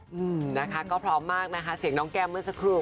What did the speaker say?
อืมนะคะก็พร้อมมากนะคะเสียงน้องแก้มเมื่อสักครู่